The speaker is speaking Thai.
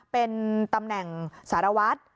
เป็นตำแหน่งสารวัตร